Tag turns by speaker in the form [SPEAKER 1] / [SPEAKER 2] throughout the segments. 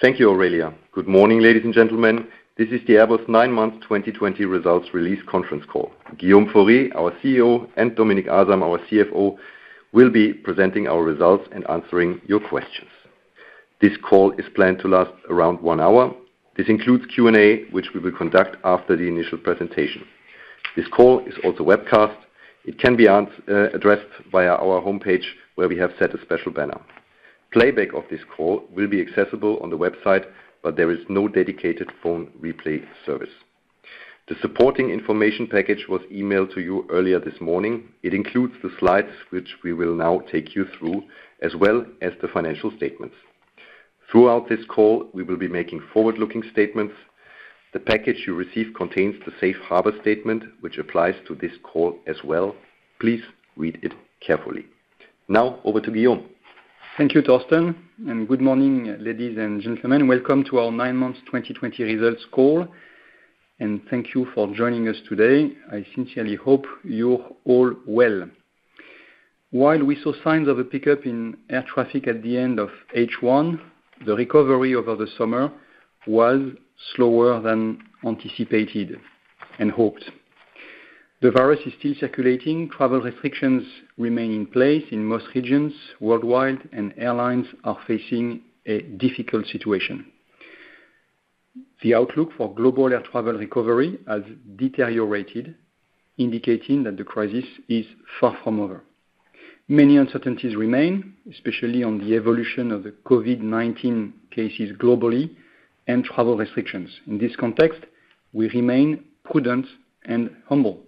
[SPEAKER 1] Thank you, Aurelia. Good morning, ladies and gentlemen. This is the Airbus Nine-Month 2020 Results Release Conference Call. Guillaume Faury, our CEO, and Dominik Asam, our CFO, will be presenting our results and answering your questions. This call is planned to last around one hour. This includes Q&A, which we will conduct after the initial presentation. This call is also webcast. It can be addressed via our homepage, where we have set a special banner. Playback of this call will be accessible on the website, but there is no dedicated phone replay service. The supporting information package was emailed to you earlier this morning. It includes the slides, which we will now take you through, as well as the financial statements. Throughout this call, we will be making forward-looking statements. The package you receive contains the safe harbor statement, which applies to this call as well. Please read it carefully. Now, over to Guillaume.
[SPEAKER 2] Thank you, Thorsten. Good morning, ladies and gentlemen. Welcome to our nine-month 2020 results call. Thank you for joining us today. I sincerely hope you're all well. While we saw signs of a pickup in air traffic at the end of H1, the recovery over the summer was slower than anticipated and hoped. The virus is still circulating. Travel restrictions remain in place in most regions worldwide. Airlines are facing a difficult situation. The outlook for global air travel recovery has deteriorated, indicating that the crisis is far from over. Many uncertainties remain, especially on the evolution of the COVID-19 cases globally and travel restrictions. In this context, we remain prudent and humble.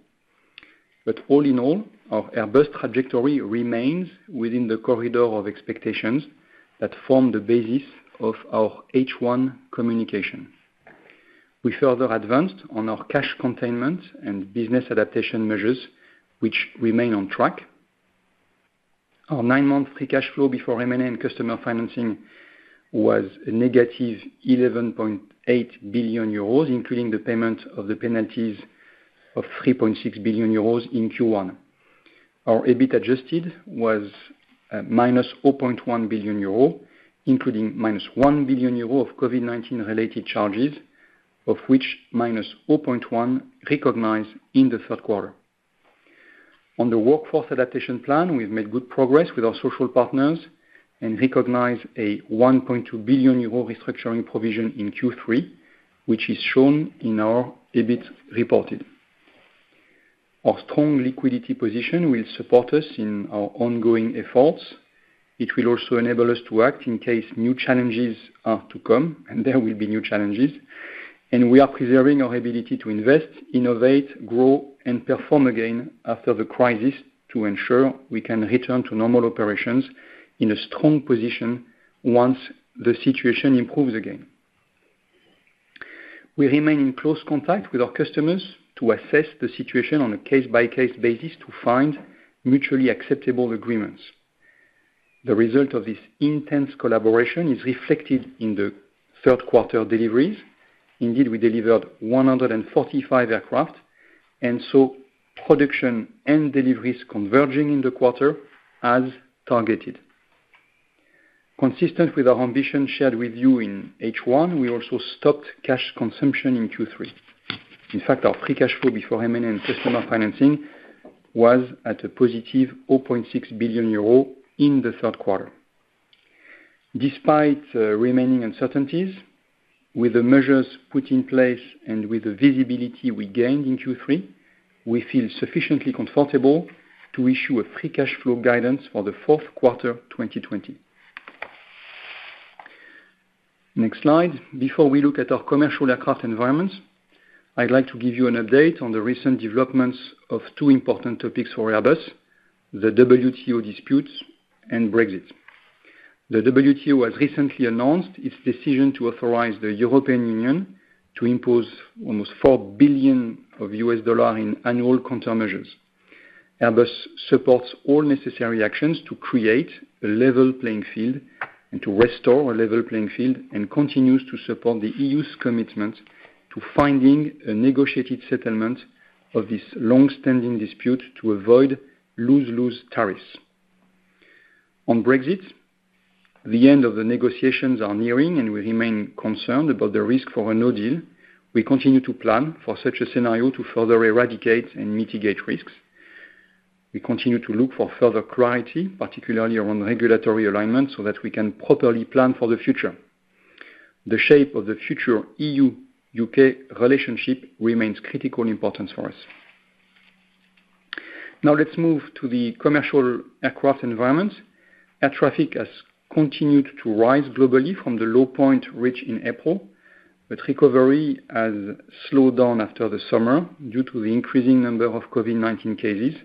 [SPEAKER 2] All in all, our Airbus trajectory remains within the corridor of expectations that form the basis of our H1 communication. We further advanced on our cash containment and business adaptation measures, which remain on track. Our nine-month free cash flow before M&A and customer financing was a -11.8 billion euros, including the payment of the penalties of 3.6 billion euros in Q1. Our EBIT adjusted was -0.1 billion euro, including -1 billion euro of COVID-19-related charges, of which -0.1 recognized in the third quarter. On the workforce adaptation plan, we've made good progress with our social partners and recognized a 1.2 billion euro restructuring provision in Q3, which is shown in our EBIT reported. Our strong liquidity position will support us in our ongoing efforts. It will also enable us to act in case new challenges are to come, and there will be new challenges. We are preserving our ability to invest, innovate, grow, and perform again after the crisis to ensure we can return to normal operations in a strong position once the situation improves again. We remain in close contact with our customers to assess the situation on a case-by-case basis to find mutually acceptable agreements. The result of this intense collaboration is reflected in the third quarter deliveries. Indeed, we delivered 145 aircraft and saw production and deliveries converging in the quarter as targeted. Consistent with our ambition shared with you in H1, we also stopped cash consumption in Q3. In fact, our free cash flow before M&A and customer financing was at a +0.6 billion euro in the third quarter. Despite remaining uncertainties, with the measures put in place and with the visibility we gained in Q3, we feel sufficiently comfortable to issue a free cash flow guidance for the fourth quarter 2020. Next slide. Before we look at our commercial aircraft environment, I'd like to give you an update on the recent developments of two important topics for Airbus, the WTO disputes and Brexit. The WTO has recently announced its decision to authorize the European Union to impose almost $4 billion in annual countermeasures. Airbus supports all necessary actions to create a level playing field and to restore a level playing field and continues to support the EU's commitment to finding a negotiated settlement of this long-standing dispute to avoid lose-lose tariffs. On Brexit, the end of the negotiations are nearing. We remain concerned about the risk for a no-deal. We continue to plan for such a scenario to further eradicate and mitigate risks. We continue to look for further clarity, particularly around regulatory alignment, so that we can properly plan for the future. The shape of the future EU-U.K. relationship remains critical importance for us. Let's move to the commercial aircraft environment. Air traffic has continued to rise globally from the low point reached in April, but recovery has slowed down after the summer due to the increasing number of COVID-19 cases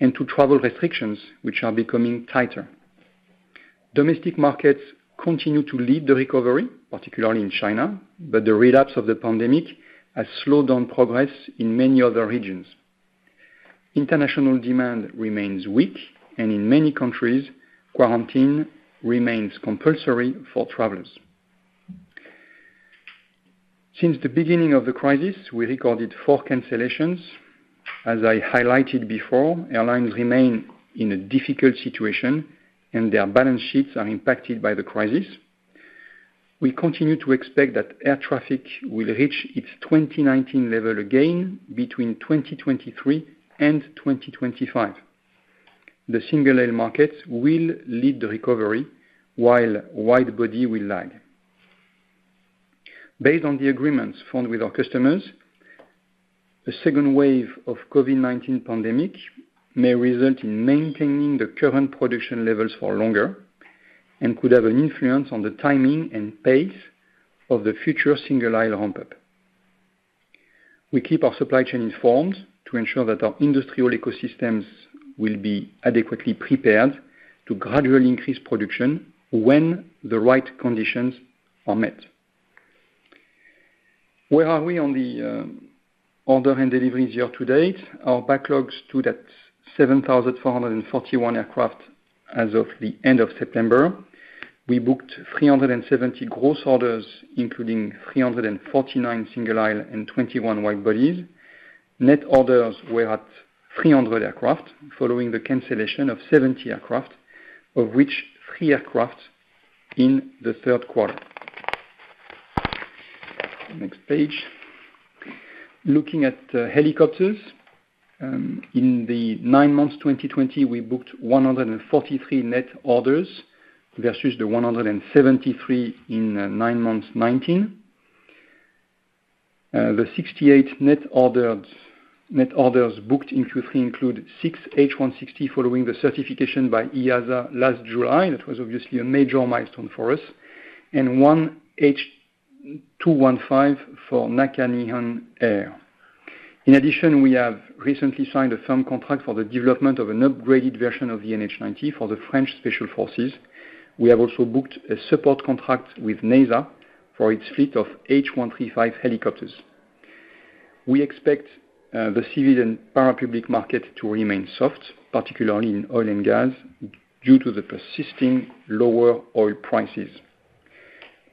[SPEAKER 2] and to travel restrictions, which are becoming tighter. Domestic markets continue to lead the recovery, particularly in China, but the relapse of the pandemic has slowed down progress in many other regions. International demand remains weak, and in many countries, quarantine remains compulsory for travelers. Since the beginning of the crisis, we recorded four cancellations. As I highlighted before, airlines remain in a difficult situation and their balance sheets are impacted by the crisis. We continue to expect that air traffic will reach its 2019 level again between 2023 and 2025. The single-aisle markets will lead the recovery while wide-body will lag. Based on the agreements formed with our customers, the second wave of COVID-19 pandemic may result in maintaining the current production levels for longer and could have an influence on the timing and pace of the future single-aisle ramp up. We keep our supply chain informed to ensure that our industrial ecosystems will be adequately prepared to gradually increase production when the right conditions are met. Where are we on the order and deliveries year to date? Our backlogs stood at 7,441 aircraft as of the end of September. We booked 370 gross orders, including 349 single-aisle and 21 wide-bodies. Net orders were at 300 aircraft, following the cancellation of 70 aircraft, of which three aircraft in the third quarter. Next page. Looking at helicopters. In the nine months 2020, we booked 143 net orders versus the 173 in nine months 2019. The 68 net orders booked in Q3 include six H160 following the certification by EASA last July. That was obviously a major milestone for us. One H215 for Nakanihon Air. In addition, we have recently signed a firm contract for the development of an upgraded version of the NH90 for the French Special Forces. We have also booked a support contract with NASA for its fleet of H135 helicopters. We expect the civil and parapublic market to remain soft, particularly in oil and gas, due to the persisting lower oil prices.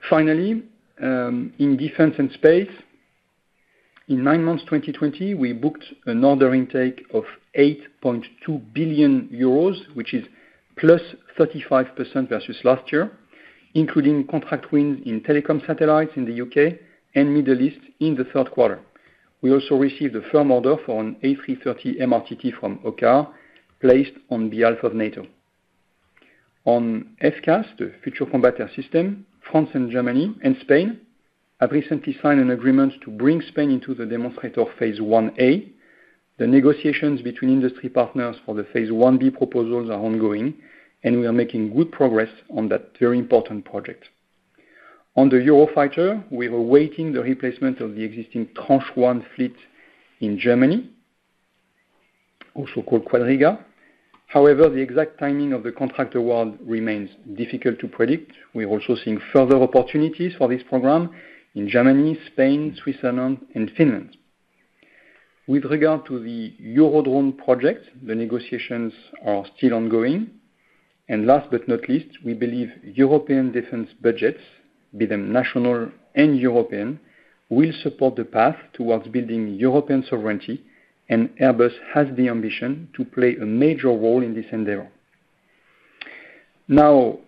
[SPEAKER 2] Finally, in defense and space, in nine months 2020, we booked an order intake of 8.2 billion euros, which is +35% versus last year, including contract wins in telecom satellites in the U.K. and Middle East in the third quarter. We also received a firm order for an A330 MRTT from OCCAR, placed on behalf of NATO. On FCAS, the Future Combat Air System, France and Germany and Spain have recently signed an agreement to bring Spain into the demonstrator phase 1A. The negotiations between industry partners for the phase 1B proposals are ongoing. We are making good progress on that very important project. On the Eurofighter, we are awaiting the replacement of the existing Tranche 1 fleet in Germany, also called Quadriga. However, the exact timing of the contract award remains difficult to predict. We're also seeing further opportunities for this program in Germany, Spain, Switzerland and Finland. With regard to the Eurodrone project, the negotiations are still ongoing. Last but not least, we believe European defense budgets, be them national and European, will support the path towards building European sovereignty, and Airbus has the ambition to play a major role in this endeavor. Now,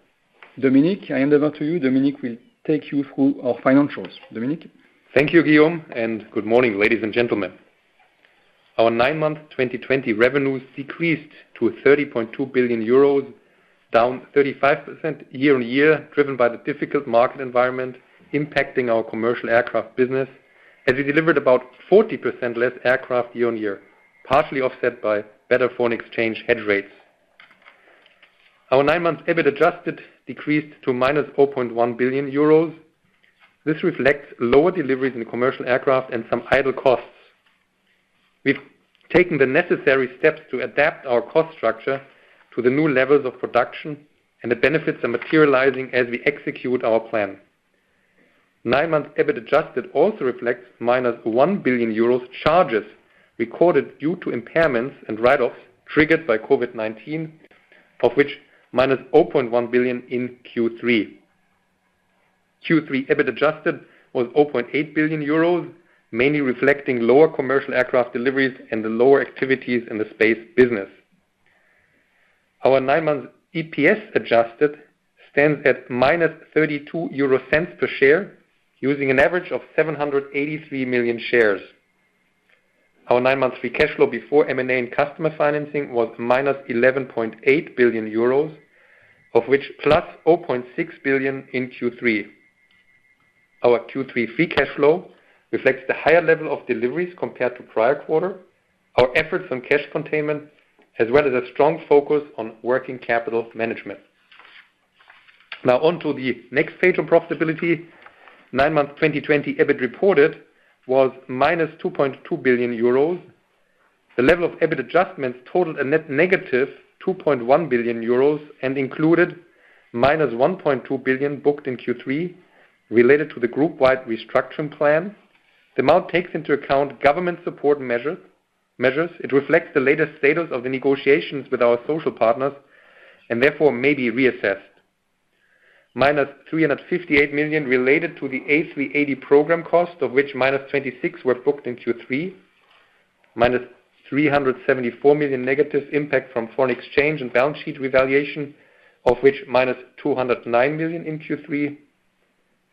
[SPEAKER 2] Dominik, I hand over to you. Dominik will take you through our financials. Dominik?
[SPEAKER 3] Thank you, Guillaume, and good morning, ladies and gentlemen. Our nine-month 2020 revenues decreased to 30.2 billion euros, down 35% year-on-year, driven by the difficult market environment impacting our commercial aircraft business, as we delivered about 40% less aircraft year-on-year, partially offset by better foreign exchange hedge rates. Our nine-month EBIT adjusted decreased to -0.1 billion euros. This reflects lower deliveries in commercial aircraft and some idle costs. We've taken the necessary steps to adapt our cost structure to the new levels of production and the benefits are materializing as we execute our plan. Nine-month EBIT adjusted also reflects -1 billion euros charges recorded due to impairments and write-offs triggered by COVID-19, of which -0.1 billion in Q3. Q3 EBIT adjusted was 0.8 billion euros, mainly reflecting lower commercial aircraft deliveries and the lower activities in the space business. Our nine-month EPS adjusted stands at -0.32 per share, using an average of 783 million shares. Our nine-month free cash flow before M&A and customer financing was -11.8 billion euros, of which +0.6 billion in Q3. Our Q3 free cash flow reflects the higher level of deliveries compared to prior quarter, our efforts on cash containment, as well as a strong focus on working capital management. On to the next page on profitability. Nine-month 2020 EBIT reported was -2.2 billion euros. The level of EBIT adjustments totaled a net -2.1 billion euros and included -1.2 billion booked in Q3 related to the group-wide restructuring plan. The amount takes into account government support measures. It reflects the latest status of the negotiations with our social partners. Therefore, may be reassessed. -358 million related to the A380 program cost, of which -26 were booked in Q3. -374 million negative impact from foreign exchange and balance sheet revaluation, of which -209 million in Q3,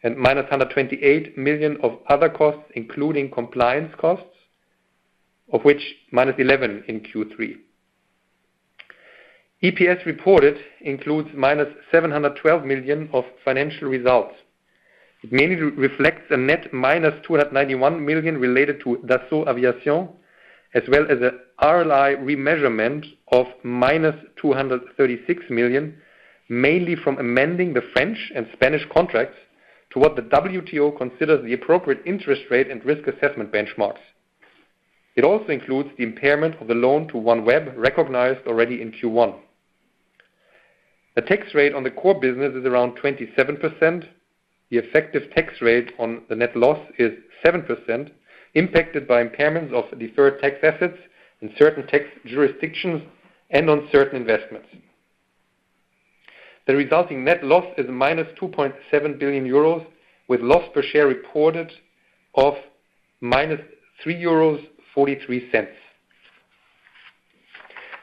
[SPEAKER 3] and -128 million of other costs, including compliance costs, of which -11 in Q3. EPS reported includes -712 million of financial results. It mainly reflects a net -291 million related to Dassault Aviation, as well as a RLI remeasurement of -236 million, mainly from amending the French and Spanish contracts to what the WTO considers the appropriate interest rate and risk assessment benchmarks. It also includes the impairment of the loan to OneWeb, recognized already in Q1. The tax rate on the core business is around 27%. The effective tax rate on the net loss is 7%, impacted by impairments of deferred tax assets in certain tax jurisdictions and on certain investments. The resulting net loss is -2.7 billion euros, with loss per share reported of -3.43 euros.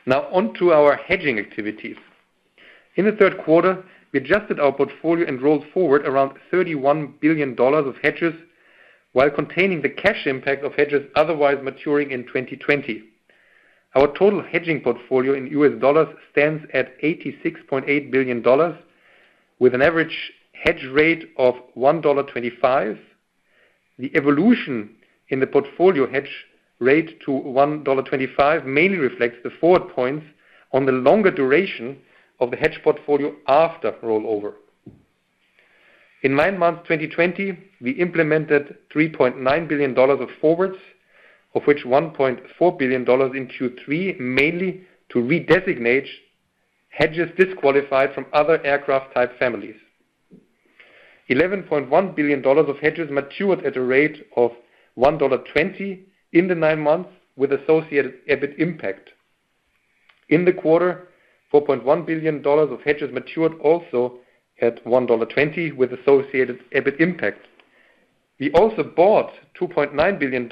[SPEAKER 3] Now, on to our hedging activities. In the third quarter, we adjusted our portfolio and rolled forward around $31 billion of hedges, while containing the cash impact of hedges otherwise maturing in 2020. Our total hedging portfolio in US dollars stands at $86.8 billion, with an average hedge rate of $1.25. The evolution in the portfolio hedge rate to $1.25 mainly reflects the forward points on the longer duration of the hedge portfolio after rollover. In nine months 2020, we implemented $3.9 billion of forwards, of which $1.4 billion in Q3, mainly to redesignate hedges disqualified from other aircraft type families. $11.1 billion of hedges matured at a rate of $1.20 in the nine months, with associated EBIT impact. In the quarter, EUR 4.1 billion of hedges matured also at EUR 1.20, with associated EBIT impact. We also bought EUR 2.9 billion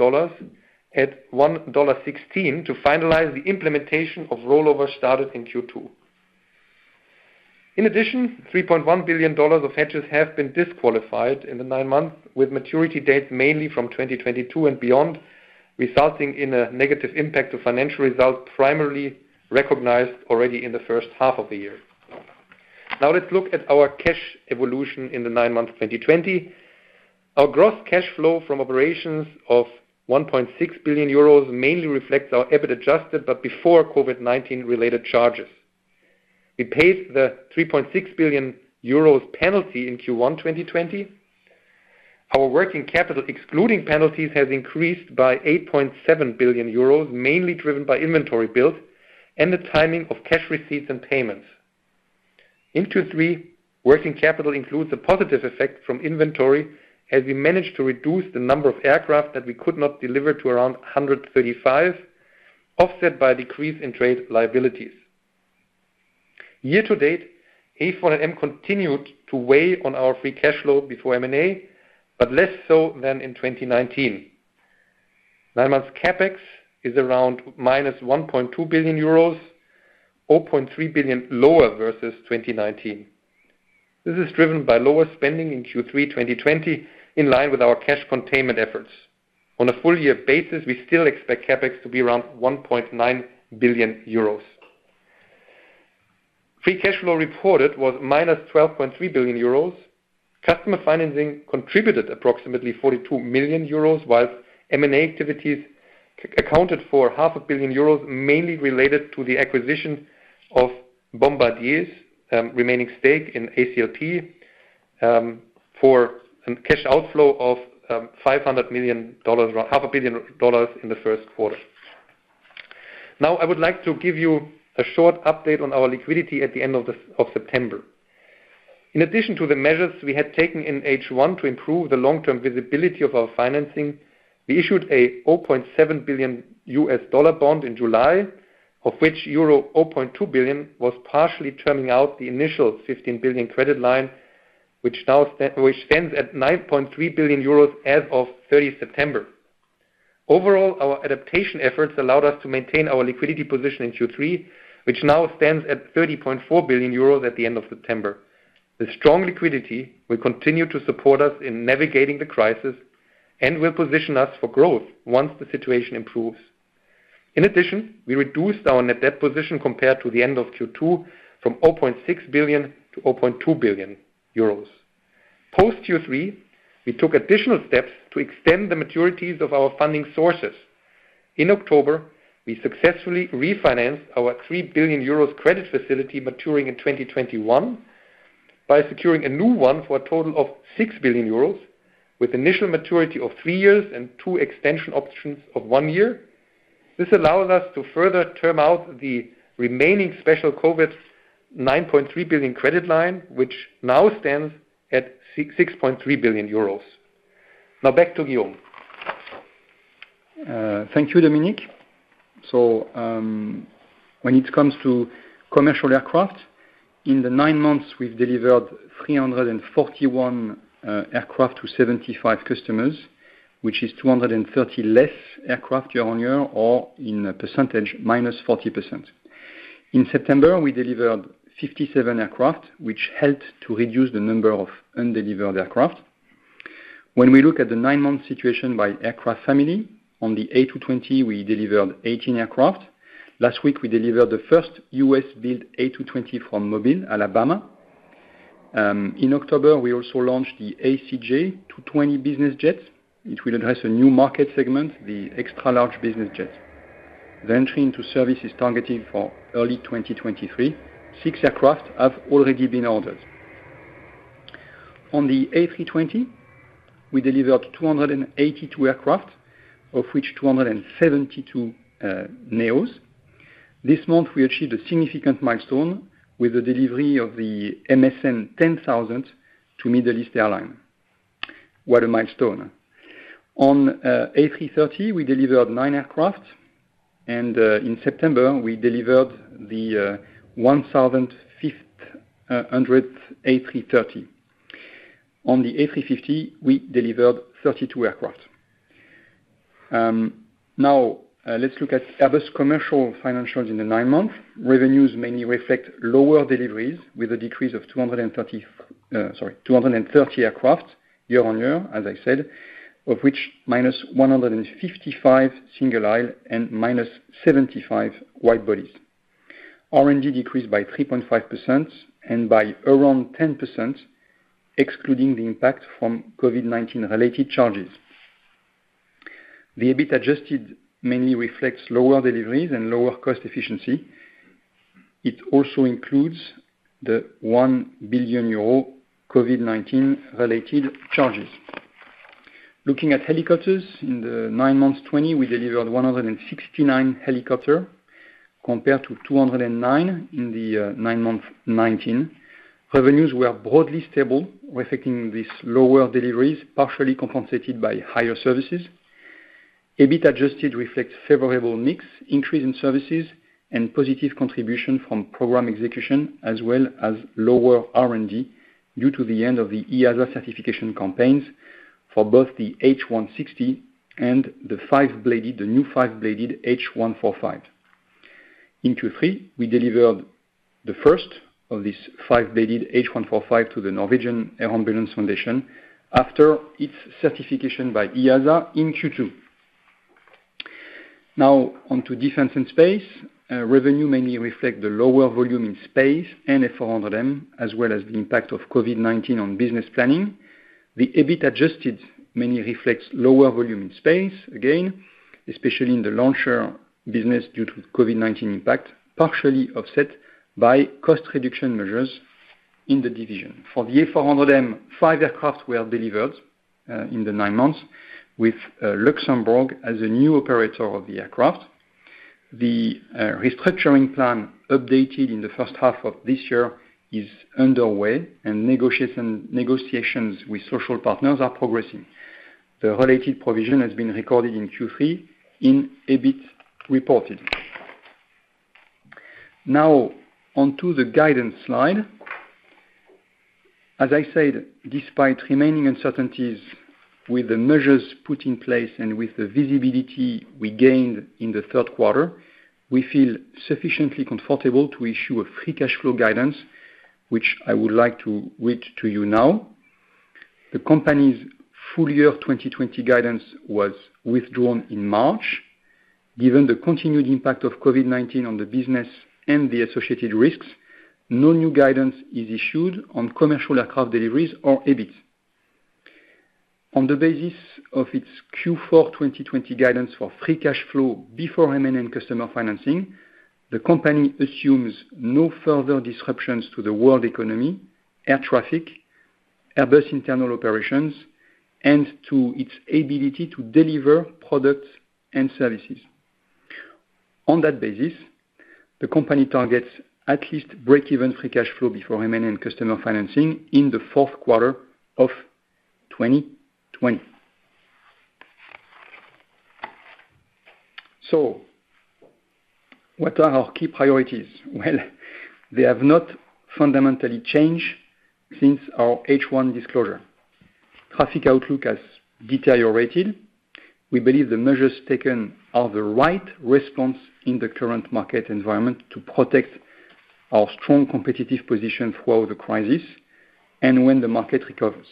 [SPEAKER 3] at EUR 1.16 to finalize the implementation of rollover started in Q2. In addition, EUR 3.1 billion of hedges have been disqualified in the nine months, with maturity dates mainly from 2022 and beyond, resulting in a negative impact to financial results primarily recognized already in the first half of the year. Now let's look at our cash evolution in the nine months 2020. Our gross cash flow from operations of 1.6 billion euros mainly reflects our EBIT adjusted, but before COVID-19 related charges. We paid the 3.6 billion euros penalty in Q1 2020. Our working capital, excluding penalties, has increased by 8.7 billion euros, mainly driven by inventory build and the timing of cash receipts and payments. In Q3, working capital includes a positive effect from inventory, as we managed to reduce the number of aircraft that we could not deliver to around 135, offset by a decrease in trade liabilities. Nine months year to date, A400M continued to weigh on our free cash flow before M&A, but less so than in 2019. Nine months CapEx is around -1.2 billion euros, 0.3 billion lower versus 2019. This is driven by lower spending in Q3 2020, in line with our cash containment efforts. On a full year basis, we still expect CapEx to be around 1.9 billion euros. Free cash flow reported was -12.3 billion euros. Customer financing contributed approximately 42 million euros, whilst M&A activities accounted for $500 million, mainly related to the acquisition of Bombardier's remaining stake in ACLP for a cash outflow of $500 million, around $500 million in the first quarter. I would like to give you a short update on our liquidity at the end of September. In addition to the measures we had taken in H1 to improve the long-term visibility of our financing, we issued a $0.7 billion bond in July, of which euro 0.2 billion was partially terming out the initial 15 billion credit line, which stands at 9.3 billion euros as of September 30. Overall, our adaptation efforts allowed us to maintain our liquidity position in Q3, which now stands at 30.4 billion euros at the end of September. The strong liquidity will continue to support us in navigating the crisis and will position us for growth once the situation improves. In addition, we reduced our net debt position compared to the end of Q2 from 0.6 billion to 0.2 billion euros. Post Q3, we took additional steps to extend the maturities of our funding sources. In October, we successfully refinanced our 3 billion euros credit facility maturing in 2021 by securing a new one for a total of 6 billion euros, with initial maturity of three years and two extension options of one year. This allows us to further term out the remaining special COVID 9.3 billion credit line, which now stands at 6.3 billion euros. Now back to Guillaume.
[SPEAKER 2] Thank you, Dominik. When it comes to commercial aircraft, in the nine months, we've delivered 341 aircraft to 75 customers, which is 230 less aircraft year-on-year, or in a percentage, -40%. In September, we delivered 57 aircraft, which helped to reduce the number of undelivered aircraft. When we look at the nine-month situation by aircraft family, on the A220, we delivered 18 aircraft. Last week, we delivered the first U.S.-built A220 from Mobile, Alabama. In October, we also launched the ACJ220 business jet. It will address a new market segment, the extra large business jet. The entry into service is targeted for early 2023. Six aircraft have already been ordered. On the A320, we delivered 282 aircraft, of which 272 neo. This month, we achieved a significant milestone with the delivery of the MSN 10,000 to Middle East Airlines. What a milestone. On A330, we delivered nine aircraft, and in September, we delivered the 1,500 A330. On the A350, we delivered 32 aircraft. Let's look at Airbus commercial financials in the nine months. Revenues mainly reflect lower deliveries with a decrease of 230 aircraft year-on-year, as I said, of which -155 single aisle and -75 wide bodies. R&D decreased by 3.5% and by around 10%, excluding the impact from Covid-19 related charges. The EBIT adjusted mainly reflects lower deliveries and lower cost efficiency. It also includes the 1 billion euro COVID-19 related charges. Looking at helicopters, in the nine months 2020, we delivered 169 helicopter compared to 209 in the nine month 2019. Revenues were broadly stable, reflecting these lower deliveries, partially compensated by higher services. EBIT adjusted reflects favorable mix, increase in services, and positive contribution from program execution, as well as lower R&D due to the end of the EASA certification campaigns for both the H160 and the new five-bladed H145. In Q3, we delivered the first of these five-bladed H145 to the Norwegian Air Ambulance Foundation after its certification by EASA in Q2. Now on to defense and space. Revenue mainly reflect the lower volume in space and A400M, as well as the impact of COVID-19 on business planning. The EBIT adjusted mainly reflects lower volume in space, again, especially in the launcher business, due to COVID-19 impact, partially offset by cost reduction measures in the division. For the A400M, five aircraft were delivered in the nine months, with Luxembourg as a new operator of the aircraft. The restructuring plan updated in the first half of this year is underway. Negotiations with social partners are progressing. The related provision has been recorded in Q3 in EBIT reported. On to the guidance slide. As I said, despite remaining uncertainties with the measures put in place and with the visibility we gained in the third quarter, we feel sufficiently comfortable to issue a free cash flow guidance, which I would like to read to you now. The company's full year 2020 guidance was withdrawn in March. Given the continued impact of COVID-19 on the business and the associated risks, no new guidance is issued on commercial aircraft deliveries or EBIT. On the basis of its Q4 2020 guidance for free cash flow before M&A customer financing, the company assumes no further disruptions to the world economy, air traffic, Airbus internal operations, and to its ability to deliver products and services. On that basis, the company targets at least break-even free cash flow before M&A customer financing in the fourth quarter of 2020. What are our key priorities? Well, they have not fundamentally changed since our H1 disclosure. Traffic outlook has deteriorated. We believe the measures taken are the right response in the current market environment to protect our strong competitive position throughout the crisis and when the market recovers.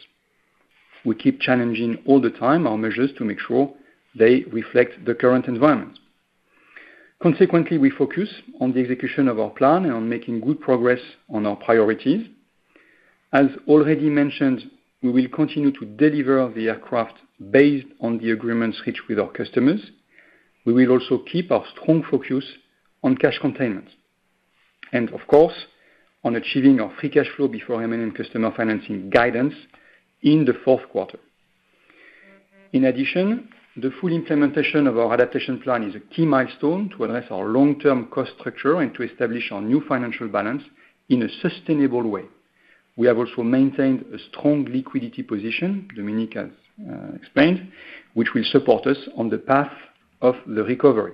[SPEAKER 2] We keep challenging all the time our measures to make sure they reflect the current environment. Consequently, we focus on the execution of our plan and on making good progress on our priorities. As already mentioned, we will continue to deliver the aircraft based on the agreements reached with our customers. We will also keep our strong focus on cash containment and, of course, on achieving our free cash flow before M&A customer financing guidance in the fourth quarter. The full implementation of our adaptation plan is a key milestone to address our long-term cost structure and to establish our new financial balance in a sustainable way. We have also maintained a strong liquidity position, Dominik has explained, which will support us on the path of the recovery.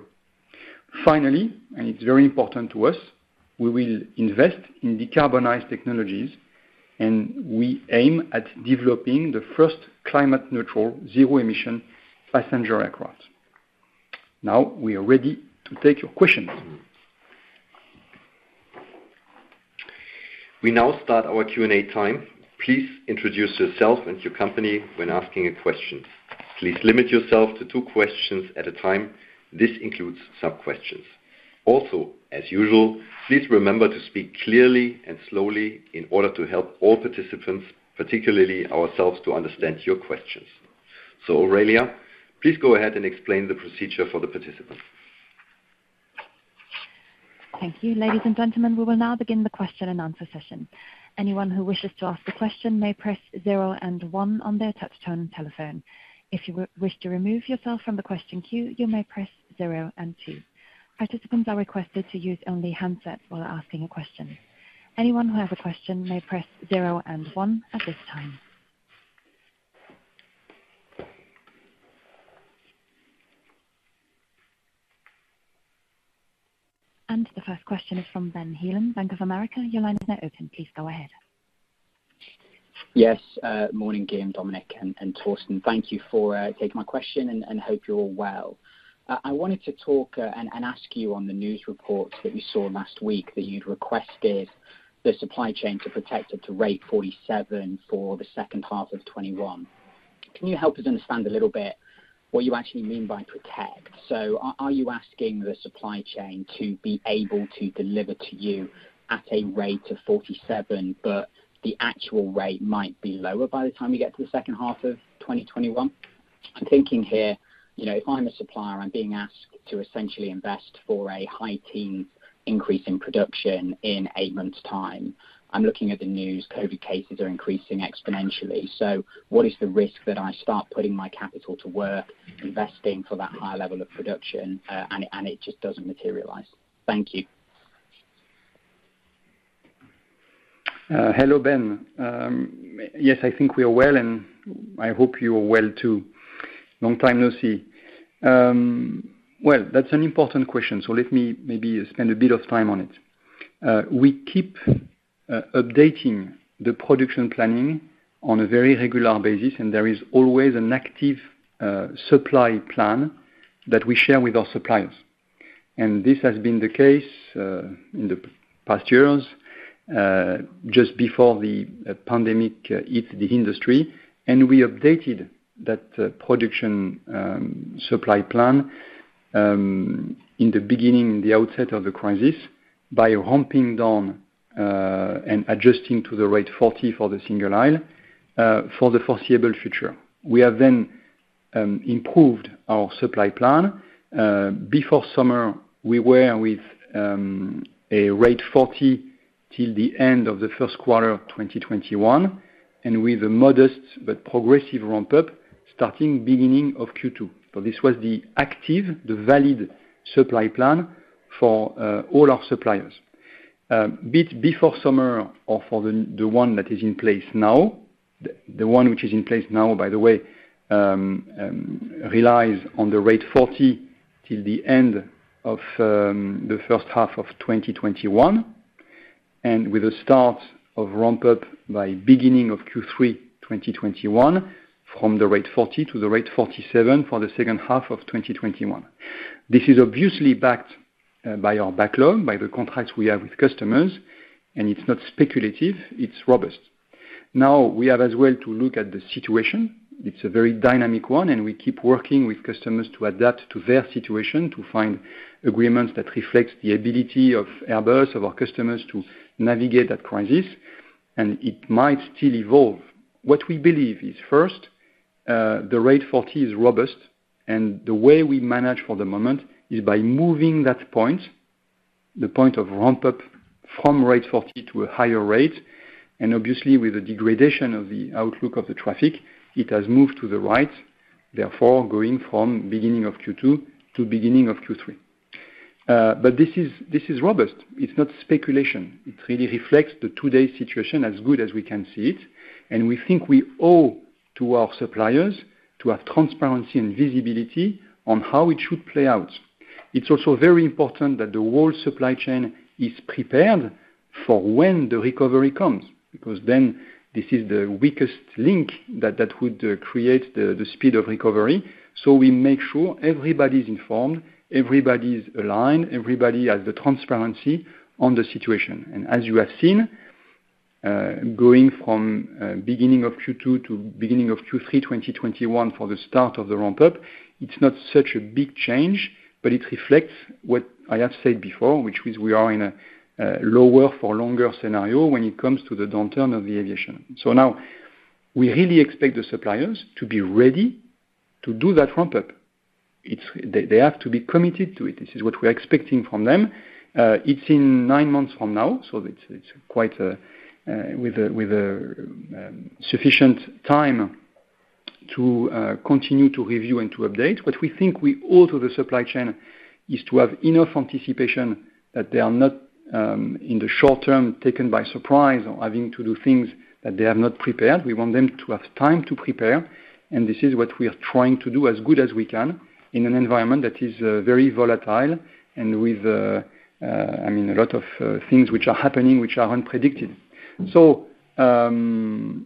[SPEAKER 2] It's very important to us, we will invest in decarbonized technologies, we aim at developing the first climate neutral zero-emission passenger aircraft. We are ready to take your questions.
[SPEAKER 1] We now start our Q&A time. Please introduce yourself and your company when asking a question. Please limit yourself to two questions at a time. This includes sub-questions. Also, as usual, please remember to speak clearly and slowly in order to help all participants, particularly ourselves, to understand your questions. Aurelia, please go ahead and explain the procedure for the participants.
[SPEAKER 4] Thank you. Ladies and gentlemen, we will now begin the question-and-answer session. Anyone who wishes to ask a question may press zero and one on their touchtone telephone. If you wish to remove yourself from the question queue, you may press zero and two. Participants are requested to use only handsets while asking a question. Anyone who has a question may press zero and one at this time. The first question is from Ben Heelan, Bank of America. Your line is now open. Please go ahead.
[SPEAKER 5] Yes. Morning, Guillaume, Dominik, and Thorsten. Thank you for taking my question, and hope you're all well. I wanted to talk and ask you on the news reports that we saw last week that you'd requested the supply chain to protect it to rate 47 for the second half of 2021. Can you help us understand a little bit what you actually mean by protect? Are you asking the supply chain to be able to deliver to you at a rate of 47, but the actual rate might be lower by the time you get to the second half of 2021? I'm thinking here, if I'm a supplier, I'm being asked to essentially invest for a high teen increase in production in eight months time. I'm looking at the news, COVID cases are increasing exponentially. What is the risk that I start putting my capital to work, investing for that higher level of production, and it just doesn't materialize? Thank you.
[SPEAKER 2] Hello, Ben. Yes, I think we are well, and I hope you are well too. Long time no see. Well, that's an important question, so let me maybe spend a bit of time on it. We keep updating the production planning on a very regular basis, and there is always an active supply plan that we share with our suppliers. This has been the case in the past years, just before the pandemic hit the industry. We updated that production supply plan in the beginning, in the outset of the crisis by ramping down and adjusting to the rate 40 for the single aisle for the foreseeable future. We have improved our supply plan. Before summer, we were with a rate 40 till the end of the first quarter of 2021, and with a modest but progressive ramp-up starting beginning of Q2. This was the active, the valid supply plan for all our suppliers. Before summer or for the one that is in place now, the one which is in place now, by the way, relies on the rate 40 till the end of the first half of 2021, and with the start of ramp-up by beginning of Q3 2021 from the rate 40 to the rate 47 for the second half of 2021. This is obviously backed by our backlog, by the contracts we have with customers, and it's not speculative, it's robust. We have as well to look at the situation. It's a very dynamic one, and we keep working with customers to adapt to their situation, to find agreements that reflects the ability of Airbus, of our customers, to navigate that crisis, and it might still evolve. What we believe is first, the rate 40 is robust. The way we manage for the moment is by moving that point, the point of ramp-up from rate 40 to a higher rate. Obviously with the degradation of the outlook of the traffic, it has moved to the right, therefore going from beginning of Q2 to beginning of Q3. This is robust. It's not speculation. It really reflects the today's situation as good as we can see it, and we think we owe to our suppliers to have transparency and visibility on how it should play out. It's also very important that the whole supply chain is prepared for when the recovery comes, because then this is the weakest link that would create the speed of recovery. We make sure everybody's informed, everybody's aligned, everybody has the transparency on the situation. As you have seen, going from beginning of Q2 to beginning of Q3 2021 for the start of the ramp-up, it is not such a big change, but it reflects what I have said before, which is we are in a lower for longer scenario when it comes to the downturn of the aviation. Now we really expect the suppliers to be ready to do that ramp-up. They have to be committed to it. This is what we are expecting from them. It is in nine months from now, so it is quite with sufficient time to continue to review and to update. What we think we owe to the supply chain is to have enough anticipation that they are not, in the short term, taken by surprise or having to do things that they have not prepared. We want them to have time to prepare, and this is what we are trying to do as good as we can in an environment that is very volatile and with a lot of things which are happening, which are unpredicted.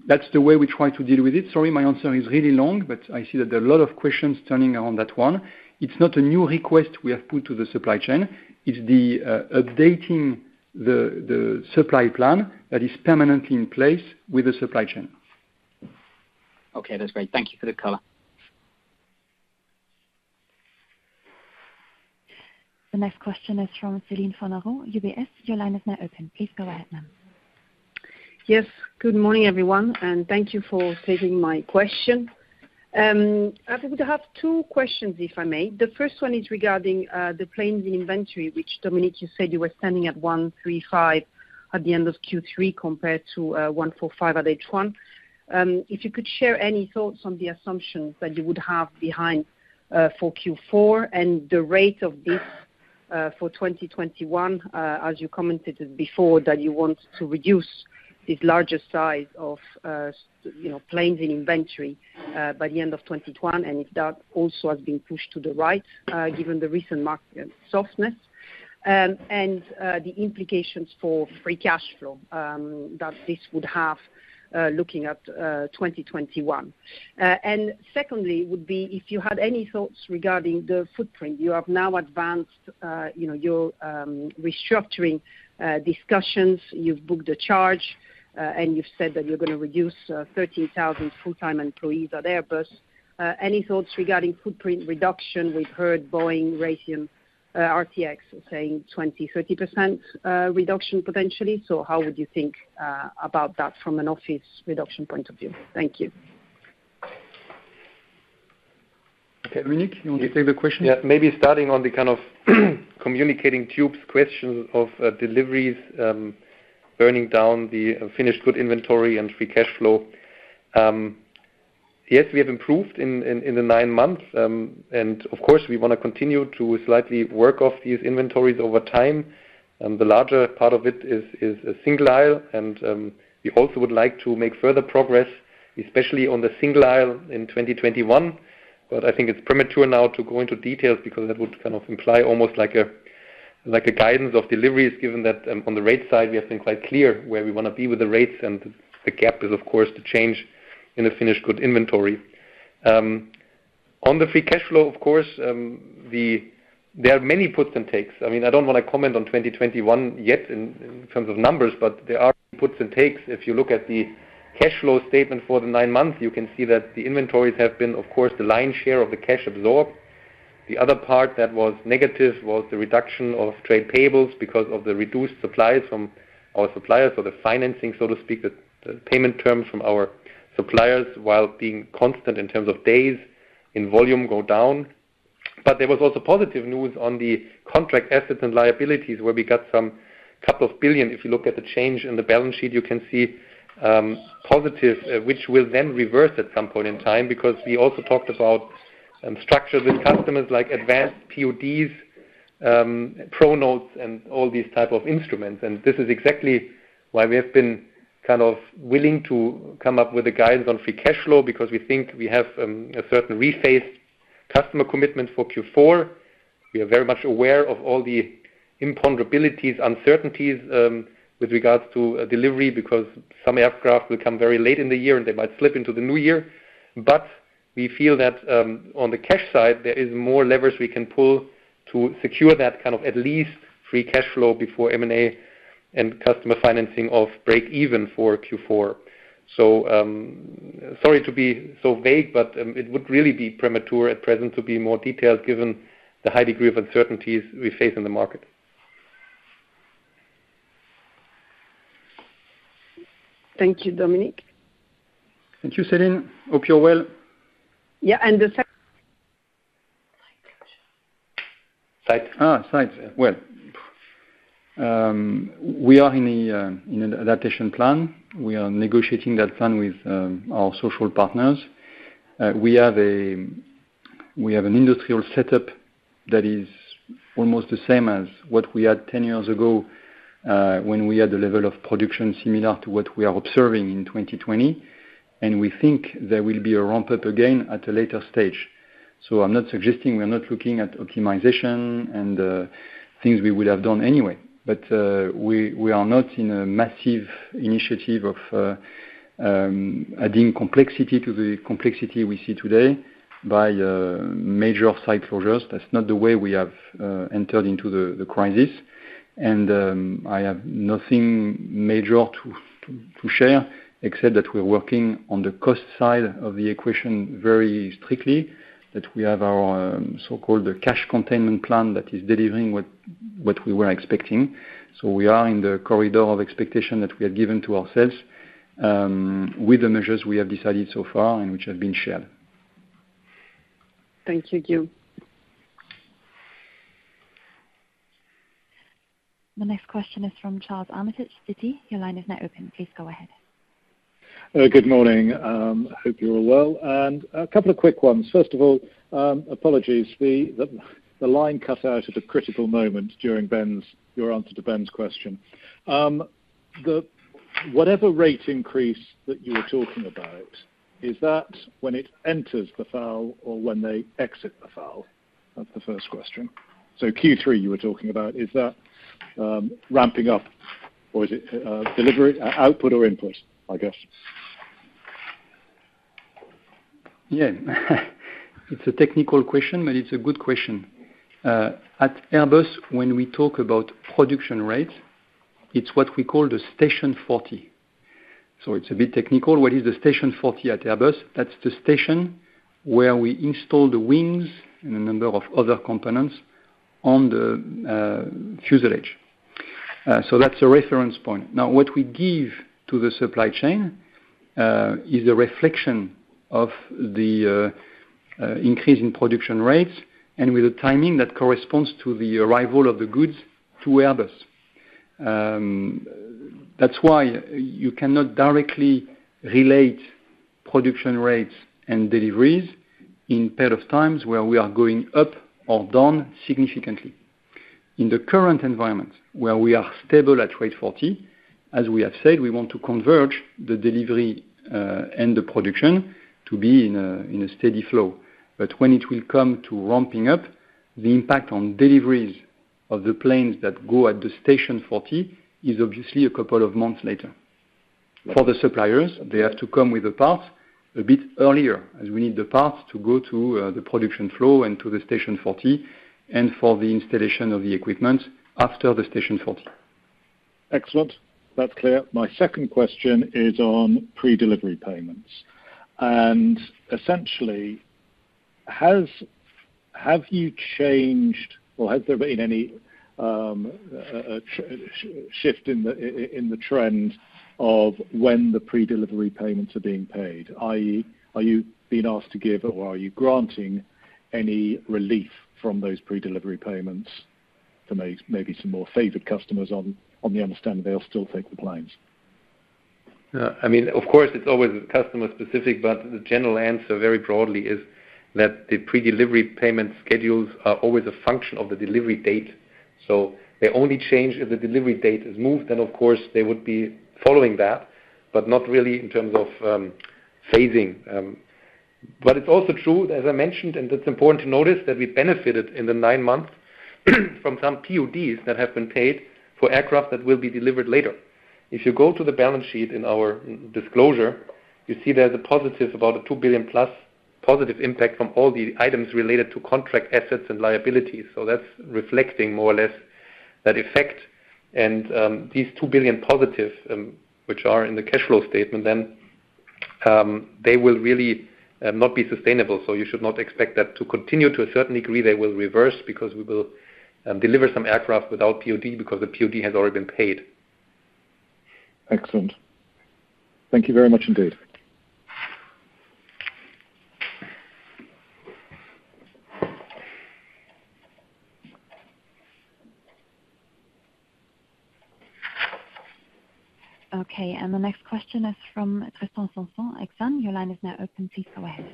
[SPEAKER 2] That's the way we try to deal with it. Sorry, my answer is really long, but I see that there are a lot of questions turning on that one. It's not a new request we have put to the supply chain. It's the updating the supply plan that is permanently in place with the supply chain.
[SPEAKER 5] Okay, that's great. Thank you for the color.
[SPEAKER 4] The next question is from Celine Fornaro, UBS. Your line is now open. Please go ahead, ma'am.
[SPEAKER 6] Good morning, everyone, and thank you for taking my question. I would have two questions, if I may. The first one is regarding the planes in inventory, which Dominik, you said you were standing at 135 at the end of Q3 compared to 145 at H1. If you could share any thoughts on the assumptions that you would have behind for Q4 and the rate of this for 2021, as you commented before, that you want to reduce this larger size of planes in inventory by the end of 2021, and if that also has been pushed to the right, given the recent market softness. The implications for free cash flow that this would have looking at 2021. Secondly, would be if you had any thoughts regarding the footprint. You have now advanced your restructuring discussions. You've booked a charge, you've said that you're going to reduce 13,000 full-time employees at Airbus. Any thoughts regarding footprint reduction? We've heard Boeing, Raytheon, RTX saying 20, 30% reduction potentially. How would you think about that from an office reduction point of view? Thank you.
[SPEAKER 2] Okay, Dominik, you want to take the question?
[SPEAKER 3] Yeah. Maybe starting on the kind of communicating tubes question of deliveries, burning down the finished good inventory and free cash flow. Yes, we have improved in the nine months, of course, we want to continue to slightly work off these inventories over time. The larger part of it is a single-aisle, we also would like to make further progress, especially on the single-aisle in 2021. I think it's premature now to go into details because that would kind of imply almost like a guidance of deliveries, given that on the rate side, we have been quite clear where we want to be with the rates and the gap is, of course, the change in the finished good inventory. On the free cash flow, of course, there are many puts and takes. I don't want to comment on 2021 yet in terms of numbers, but there are puts and takes. If you look at the cash flow statement for the nine months, you can see that the inventories have been, of course, the lion's share of the cash absorbed. The other part that was negative was the reduction of trade payables because of the reduced supplies from our suppliers. The financing, so to speak, the payment terms from our suppliers, while being constant in terms of days, in volume go down. There was also positive news on the contract assets and liabilities, where we got some couple of billion. If you look at the change in the balance sheet, you can see positive, which will then reverse at some point in time because we also talked about structures with customers like advanced PDPs, promissory notes and all these type of instruments. This is exactly why we have been kind of willing to come up with a guidance on free cash flow because we think we have a certain rephased customer commitment for Q4. We are very much aware of all the imponderabilities, uncertainties with regards to delivery because some aircraft will come very late in the year and they might slip into the new year. We feel that on the cash side, there is more leverage we can pull to secure that kind of at least free cash flow before M&A and customer financing of break even for Q4. Sorry to be so vague, but it would really be premature at present to be more detailed given the high degree of uncertainties we face in the market.
[SPEAKER 6] Thank you, Dominik.
[SPEAKER 2] Thank you, Celine. Hope you're well.
[SPEAKER 6] Yeah, and the site?
[SPEAKER 3] Site.
[SPEAKER 2] Well, we are in an adaptation plan. We are negotiating that plan with our social partners. We have an industrial setup that is almost the same as what we had 10 years ago, when we had the level of production similar to what we are observing in 2020. We think there will be a ramp-up again at a later stage. I'm not suggesting we are not looking at optimization and things we would have done anyway. We are not in a massive initiative of adding complexity to the complexity we see today by major site closures. That's not the way we have entered into the crisis. I have nothing major to share except that we are working on the cost side of the equation very strictly, that we have our so-called cash containment plan that is delivering what we were expecting. We are in the corridor of expectation that we have given to ourselves, with the measures we have decided so far and which have been shared.
[SPEAKER 6] Thank you, Guillaume.
[SPEAKER 4] The next question is from Charles Armitage, Citi. Your line is now open. Please go ahead.
[SPEAKER 7] Good morning. Hope you're all well. A couple of quick ones. First of all, apologies. The line cut out at a critical moment during your answer to Ben's question. Whatever rate increase that you were talking about, is that when it enters the FAL or when they exit the FAL? That's the first question. Q3 you were talking about, is that ramping up or is it delivery? Output or input, I guess.
[SPEAKER 2] Yeah. It's a technical question, but it's a good question. At Airbus, when we talk about production rates, it's what we call the station 40. It's a bit technical. What is the station 40 at Airbus? That's the station where we install the wings and a number of other components on the fuselage. That's a reference point. Now, what we give to the supply chain, is a reflection of the increase in production rates and with the timing that corresponds to the arrival of the goods to Airbus. That's why you cannot directly relate production rates and deliveries in pair of times where we are going up or down significantly. In the current environment, where we are stable at rate 40, as we have said, we want to converge the delivery, and the production to be in a steady flow. When it will come to ramping up the impact on deliveries of the planes that go at the station 40, is obviously a couple of months later. For the suppliers, they have to come with the parts a bit earlier as we need the parts to go to the production flow and to the station 40, and for the installation of the equipment after the station 40.
[SPEAKER 7] Excellent. That's clear. My second question is on Pre-Delivery Payments. Essentially, have you changed or has there been any shift in the trend of when the Pre-Delivery Payments are being paid? i.e., are you being asked to give or are you granting any relief from those Pre-Delivery Payments to maybe some more favored customers on the understanding that they'll still take the planes?
[SPEAKER 3] Of course, it's always customer specific, but the general answer, very broadly, is that the Pre-Delivery Payment schedules are always a function of the delivery date. They only change if the delivery date is moved, then of course they would be following that, but not really in terms of phasing. It's also true, as I mentioned, and it's important to notice, that we benefited in the nine months from some PDPs that have been paid for aircraft that will be delivered later. If you go to the balance sheet in our disclosure, you see there's a positive about the 2+ billion positive impact from all the items related to contract assets and liabilities. That's reflecting more or less that effect. These 2+ billion, which are in the cash flow statement, then they will really not be sustainable. You should not expect that to continue. To a certain degree, they will reverse because we will deliver some aircraft without POD because the POD has already been paid.
[SPEAKER 7] Excellent. Thank you very much indeed.
[SPEAKER 4] Okay. The next question is from Tristan Sanson, Exane. Your line is now open. Please go ahead.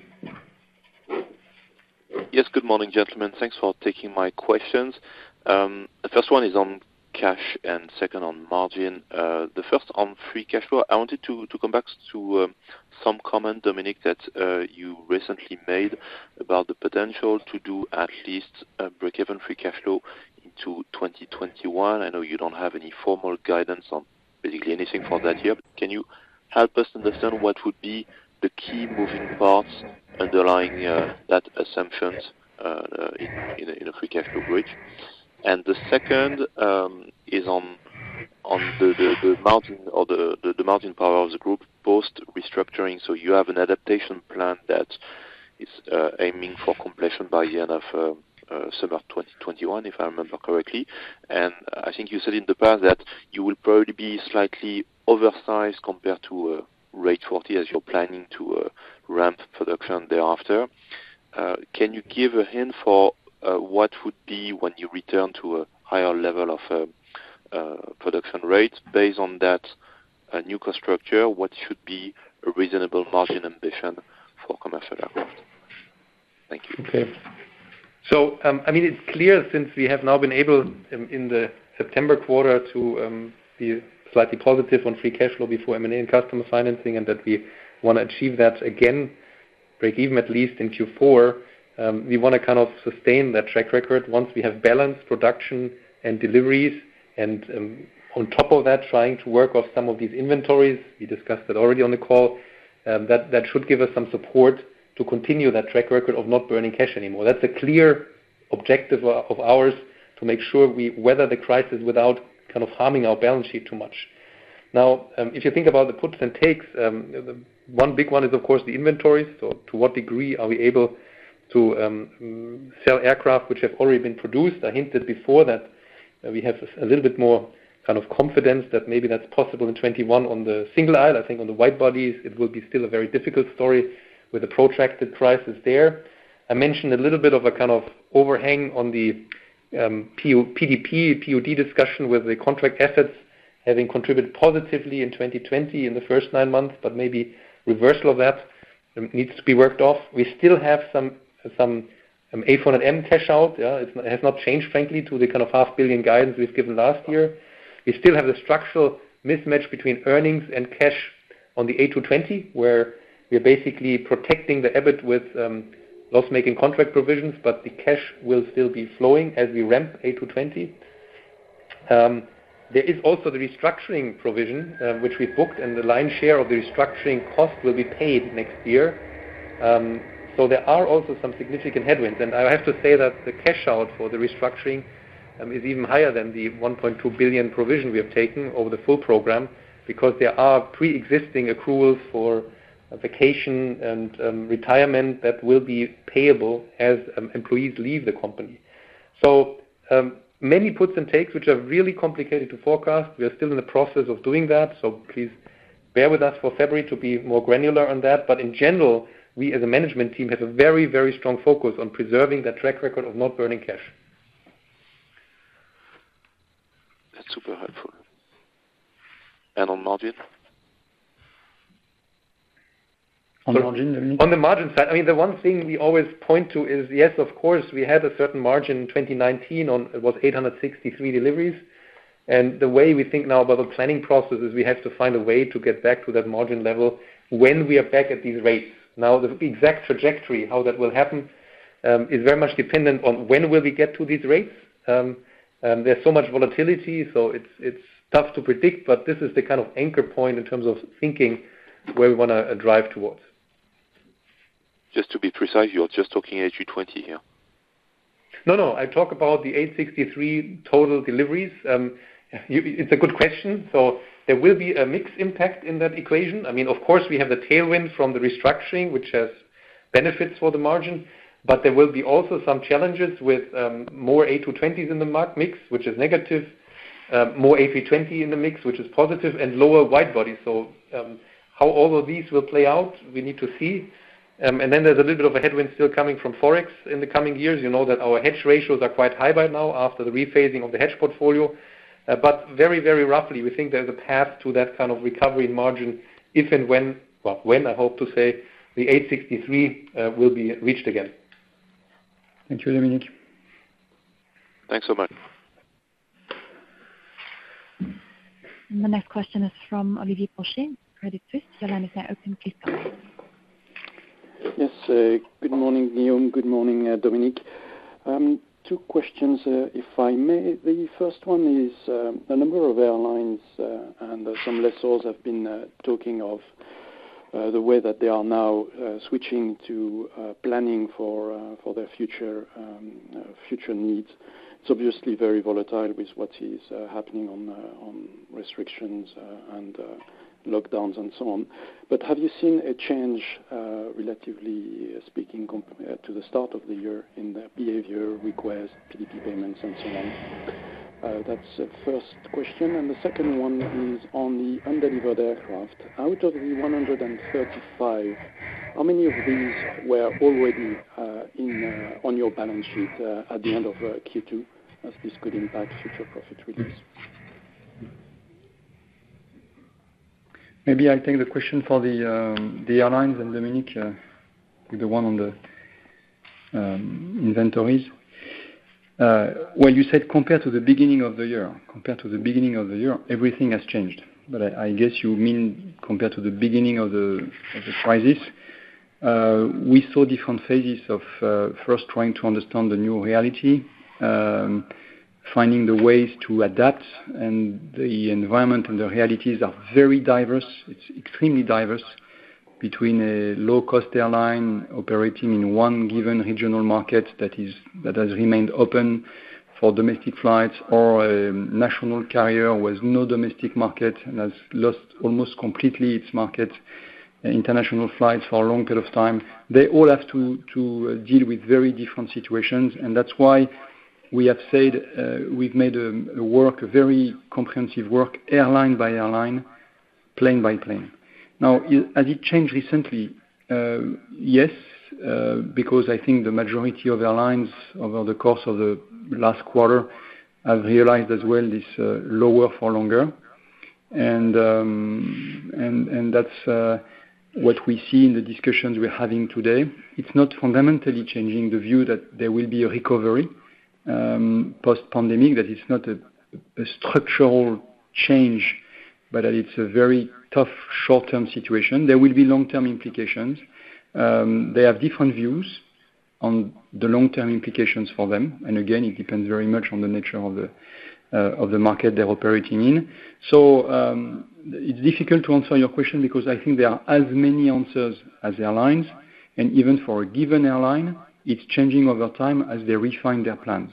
[SPEAKER 8] Yes. Good morning, gentlemen. Thanks for taking my questions. The first one is on cash and second on margin. The first on free cash flow. I wanted to come back to some comment, Dominik, that you recently made about the potential to do at least a break-even free cash flow into 2021. I know you don't have any formal guidance on basically anything for that year. Can you help us understand what would be the key moving parts underlying that assumptions in a free cash flow bridge? The second, is on the margin part of the group post-restructuring. You have an adaptation plan that is aiming for completion by the end of summer 2021, if I remember correctly. I think you said in the past that you will probably be slightly oversized compared to rate 40 as you're planning to ramp production thereafter. Can you give a hint for what would be when you return to a higher level of production rates based on that new cost structure? What should be a reasonable margin ambition for commercial aircraft? Thank you.
[SPEAKER 3] Okay. It's clear since we have now been able, in the September quarter to be slightly positive on free cash flow before M&A and customer financing, and that we want to achieve that again, break even at least in Q4. We want to kind of sustain that track record once we have balanced production and deliveries and on top of that, trying to work off some of these inventories. We discussed that already on the call. That should give us some support to continue that track record of not burning cash anymore. That's a clear objective of ours to make sure we weather the crisis without kind of harming our balance sheet too much. Now, if you think about the puts and takes, one big one is of course the inventories. To what degree are we able to sell aircraft which have already been produced? I hinted before that we have a little bit more kind of confidence that maybe that's possible in 2021 on the single aisle. I think on the wide bodies, it will be still a very difficult story with the protracted crisis there. I mentioned a little bit of a kind of overhang on the PDP/POD discussion with the contract assets having contributed positively in 2020 in the first nine months. Maybe reversal of that needs to be worked off. We still have some A400M cash out. It has not changed, frankly, to the kind of $500 million guidance we've given last year. We still have the structural mismatch between earnings and cash on the A220, where we are basically protecting the EBIT with loss-making contract provisions. The cash will still be flowing as we ramp A220. There is also the restructuring provision, which we booked, and the lion's share of the restructuring cost will be paid next year. There are also some significant headwinds. I have to say that the cash out for the restructuring is even higher than the 1.2 billion provision we have taken over the full program, because there are preexisting accruals for vacation and retirement that will be payable as employees leave the company. Many puts and takes, which are really complicated to forecast. We are still in the process of doing that, so please bear with us for February to be more granular on that. In general, we, as a management team, have a very strong focus on preserving that track record of not burning cash.
[SPEAKER 8] That's super helpful. On margin?
[SPEAKER 2] On the margin.
[SPEAKER 3] On the margin side, the one thing we always point to is, yes, of course, we had a certain margin in 2019 on, it was 863 deliveries. The way we think now about the planning process is we have to find a way to get back to that margin level when we are back at these rates. There is so much volatility, so it is tough to predict, but this is the kind of anchor point in terms of thinking where we want to drive towards.
[SPEAKER 8] Just to be precise, you're just talking A220 here.
[SPEAKER 3] I talk about the 863 total deliveries. It's a good question. There will be a mixed impact in that equation. Of course, we have the tailwind from the restructuring, which has benefits for the margin, but there will be also some challenges with more A220s in the mix, which is negative, more A320 in the mix, which is positive, and lower wide body. How all of these will play out, we need to see. There's a little bit of a headwind still coming from Forex in the coming years. You know that our hedge ratios are quite high by now after the rephasing of the hedge portfolio. Very roughly, we think there's a path to that kind of recovery in margin if and when, well, when I hope to say, the 863 will be reached again.
[SPEAKER 2] Thank you, Dominik.
[SPEAKER 8] Thanks so much.
[SPEAKER 4] The next question is from Olivier Brochet, Credit Suisse. Your line is now open. Please go ahead.
[SPEAKER 9] Yes. Good morning, Guillaume. Good morning, Dominik. Two questions, if I may. The first one is, a number of airlines and some lessors have been talking of the way that they are now switching to planning for their future needs. It's obviously very volatile with what is happening on restrictions and lockdowns and so on. Have you seen a change, relatively speaking, compared to the start of the year in the behavior, requests, PDP payments, and so on? The second one is on the undelivered aircraft. Out of the 135, how many of these were already on your balance sheet at the end of Q2, as this could impact future profit release?
[SPEAKER 2] Maybe I take the question for the airlines, and Dominik, the one on the inventories. Well, you said compared to the beginning of the year. Compared to the beginning of the year, everything has changed. I guess you mean compared to the beginning of the crisis. We saw different phases of first trying to understand the new reality, finding the ways to adapt, and the environment and the realities are very diverse. It's extremely diverse between a low-cost airline operating in one given regional market that has remained open for domestic flights, or a national carrier with no domestic market and has lost almost completely its market, international flights for a long period of time. They all have to deal with very different situations, that's why we have said we've made a work, a very comprehensive work airline by airline, plane by plane. Now, has it changed recently? Yes, because I think the majority of airlines over the course of the last quarter have realized as well this lower for longer. That's what we see in the discussions we're having today. It's not fundamentally changing the view that there will be a recovery, post-pandemic, that it's not a structural change, but that it's a very tough short-term situation. There will be long-term implications. They have different views on the long-term implications for them. Again, it depends very much on the nature of the market they're operating in. It's difficult to answer your question because I think there are as many answers as the airlines. Even for a given airline, it's changing over time as they refine their plans.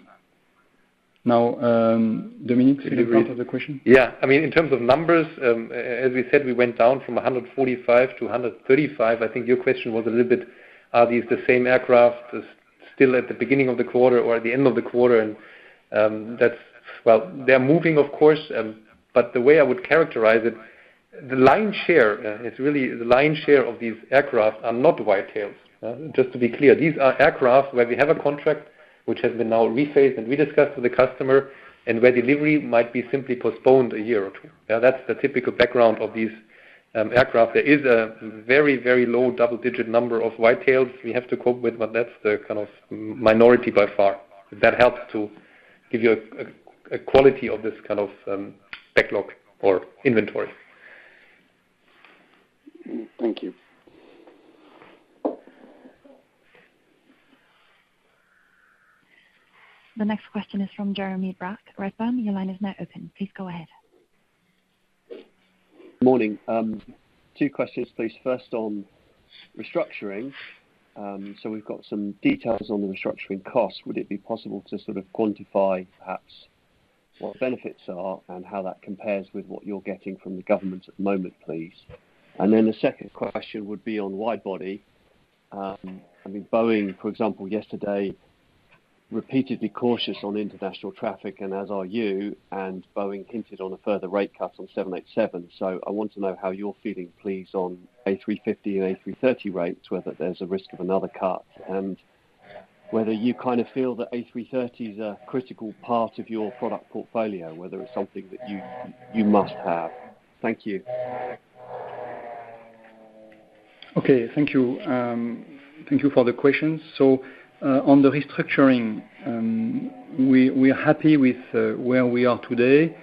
[SPEAKER 2] Now, Dominik, any part of the question?
[SPEAKER 3] In terms of numbers, as we said, we went down from 145 to 135. I think your question was a little bit, are these the same aircraft. Still at the beginning of the quarter or the end of the quarter. Well, they're moving, of course, but the way I would characterize it, the lion's share of these aircraft are not whitetails. Just to be clear, these are aircraft where we have a contract, which has been now rephased and rediscussed with the customer, and where delivery might be simply postponed a year or two. That's the typical background of these aircraft. There is a very low double-digit number of whitetails we have to cope with, that's the kind of minority by far. That helps to give you a quality of this kind of backlog or inventory.
[SPEAKER 9] Thank you.
[SPEAKER 4] The next question is from Jeremy Bragg, Redburn. Your line is now open. Please go ahead.
[SPEAKER 10] Morning. Two questions, please. First on restructuring. We've got some details on the restructuring cost. Would it be possible to sort of quantify perhaps what the benefits are and how that compares with what you're getting from the government at the moment, please? The second question would be on wide body. I mean, Boeing, for example, yesterday repeatedly cautious on international traffic, and as are you, and Boeing hinted on a further rate cut on 787. I want to know how you're feeling, please, on A350 and A330 rates, whether there's a risk of another cut, and whether you kind of feel that A330 is a critical part of your product portfolio, whether it's something that you must have. Thank you.
[SPEAKER 2] Okay. Thank you for the questions. On the restructuring, we are happy with where we are today,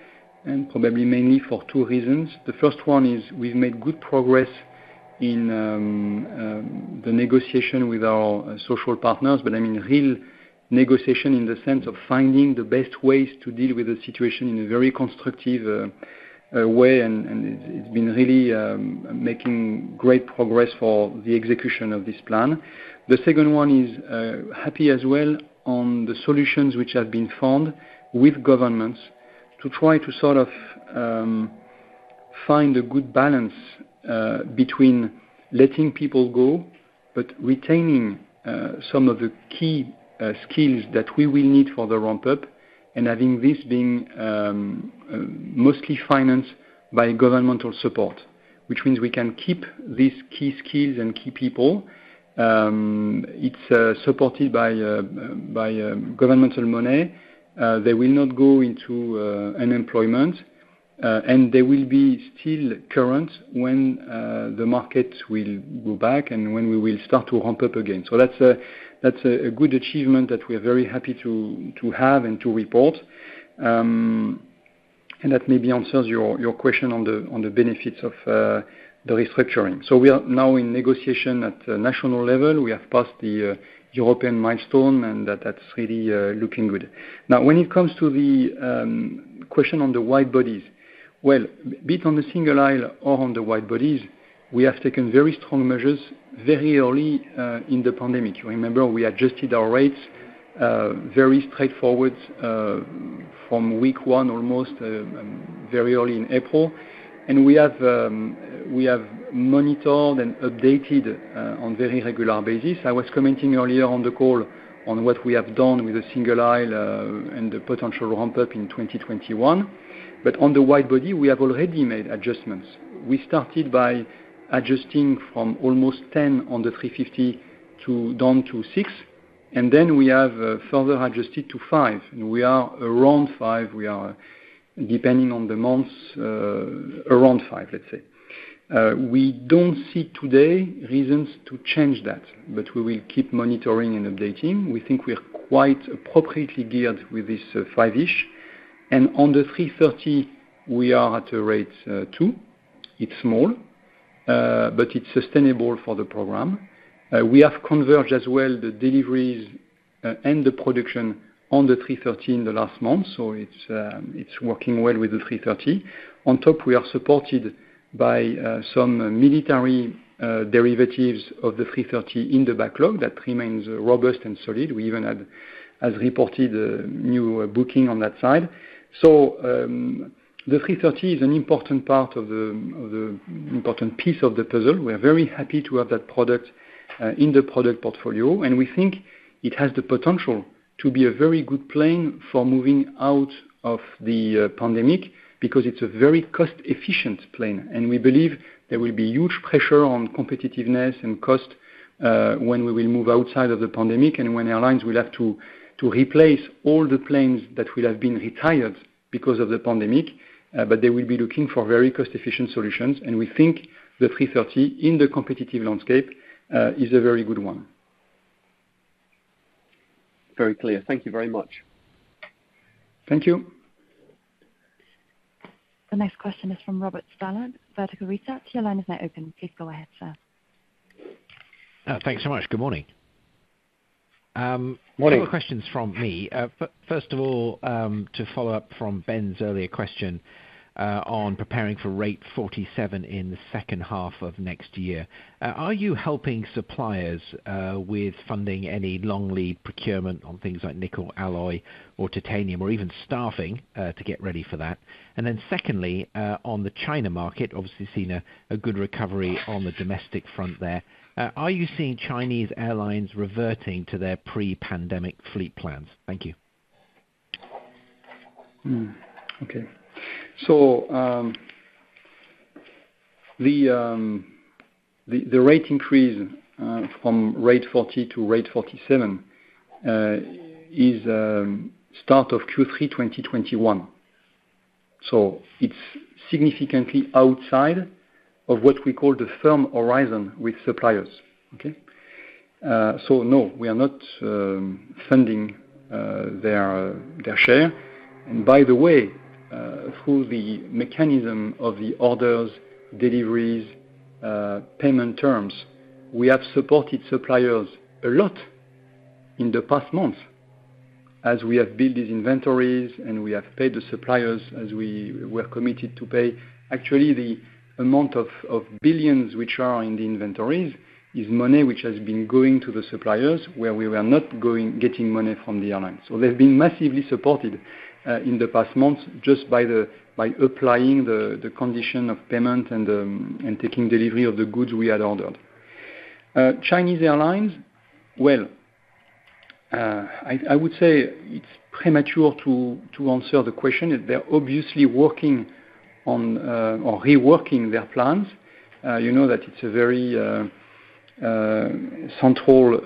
[SPEAKER 2] and probably mainly for two reasons. The first one is we've made good progress in the negotiation with our social partners, but I mean real negotiation in the sense of finding the best ways to deal with the situation in a very constructive way. It's been really making great progress for the execution of this plan. The second one is happy as well on the solutions which have been found with governments to try to sort of find a good balance between letting people go, but retaining some of the key skills that we will need for the ramp-up, and having this being mostly financed by governmental support. Which means we can keep these key skills and key people. It's supported by governmental money. They will not go into unemployment, and they will be still current when the market will go back and when we will start to ramp up again. That's a good achievement that we are very happy to have and to report. That maybe answers your question on the benefits of the restructuring. We are now in negotiation at national level. We have passed the European milestone, and that's really looking good. Now, when it comes to the question on the wide bodies, well, be it on the single aisle or on the wide bodies, we have taken very strong measures very early in the pandemic. You remember we adjusted our rates very straightforward from week one almost very early in April. We have monitored and updated on very regular basis. I was commenting earlier on the call on what we have done with the single aisle and the potential ramp-up in 2021. On the wide body, we have already made adjustments. We started by adjusting from almost 10 on the A350 down to six, and then we have further adjusted to five. We are around five. We are depending on the months, around five, let's say. We don't see today reasons to change that, but we will keep monitoring and updating. We think we are quite appropriately geared with this five-ish. On the A330 we are at a rate 2. It's small, but it's sustainable for the program. We have converged as well, the deliveries and the production on the A330 in the last month, so it's working well with the A330. On top, we are supported by some military derivatives of the A330 in the backlog. That remains robust and solid. We even had, as reported, new booking on that side. The A330 is an important piece of the puzzle. We are very happy to have that product in the product portfolio. We think it has the potential to be a very good plane for moving out of the pandemic because it's a very cost-efficient plane. We believe there will be huge pressure on competitiveness and cost, when we will move outside of the pandemic and when airlines will have to replace all the planes that will have been retired because of the pandemic. They will be looking for very cost-efficient solutions, and we think the A330 in the competitive landscape, is a very good one.
[SPEAKER 10] Very clear. Thank you very much.
[SPEAKER 2] Thank you.
[SPEAKER 4] The next question is from Robert Stallard, Vertical Research. Your line is now open. Please go ahead, sir.
[SPEAKER 11] Thanks so much. Good morning.
[SPEAKER 2] Morning.
[SPEAKER 11] A couple of questions from me. First of all, to follow up from Ben's earlier question, on preparing for rate 47 in the second half of next year. Are you helping suppliers with funding any long lead procurement on things like nickel alloy or titanium or even staffing to get ready for that? Secondly, on the China market, obviously seen a good recovery on the domestic front there. Are you seeing Chinese airlines reverting to their pre-pandemic fleet plans? Thank you.
[SPEAKER 2] Okay. The rate increase from rate 40 to rate 47 is start of Q3 2021. It's significantly outside of what we call the firm horizon with suppliers. Okay. No, we are not funding their share. By the way, through the mechanism of the orders, deliveries, payment terms, we have supported suppliers a lot in the past month as we have built these inventories and we have paid the suppliers as we were committed to pay. Actually, the amount of billions which are in the inventories is money which has been going to the suppliers, where we were not getting money from the airlines. They've been massively supported in the past month just by applying the condition of payment and taking delivery of the goods we had ordered. Chinese Airlines, well, I would say it's premature to answer the question. They're obviously working on or reworking their plans. You know that it's a very central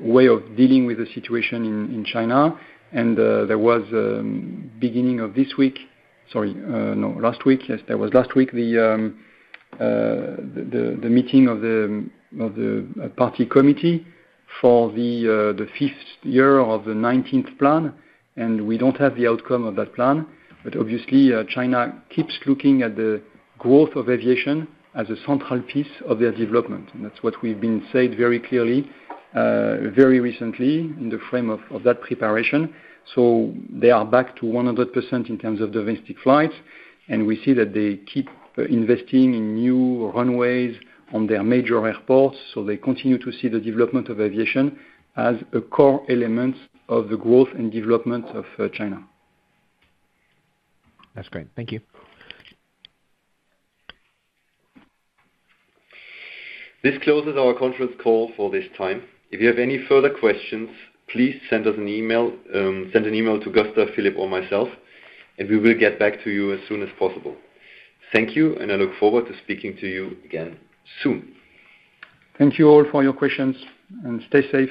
[SPEAKER 2] way of dealing with the situation in China. There was, beginning of last week, the meeting of the party committee for the fifth year of the 19th plan. We don't have the outcome of that plan. Obviously, China keeps looking at the growth of aviation as a central piece of their development. That's what we've been said very clearly, very recently in the frame of that preparation. They are back to 100% in terms of domestic flights. We see that they keep investing in new runways on their major airports. They continue to see the development of aviation as a core element of the growth and development of China.
[SPEAKER 11] That's great. Thank you.
[SPEAKER 1] This closes our conference call for this time. If you have any further questions, please send an email to Gustav, Philippe, or myself, and we will get back to you as soon as possible. Thank you, and I look forward to speaking to you again soon.
[SPEAKER 2] Thank you all for your questions, and stay safe.